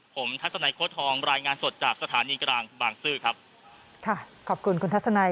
ผมทัศนัยโค้ดทองรายงานสดจากสถานีกลางบางซื่อครับค่ะขอบคุณคุณทัศนัย